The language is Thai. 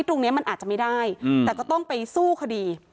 ตรงนี้มันอาจจะไม่ได้แต่ก็ต้องไปสู้คดี